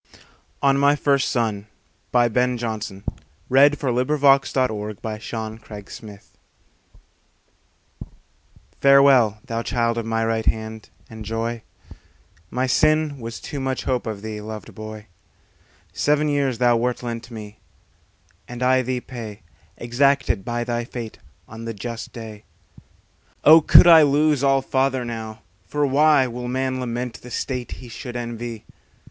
e from the publishers. Ben Jonson: On My First Son On My First Son by Ben Jonson Farewell, thou child of my right hand, and joy ; My sin was too much hope of thee, lov'd boy. Seven years thou wert lent to me, and I thee pay, Exacted by thy fate, on the just day. Oh, could I lose all father now ! For why Will man lament the state he should envy?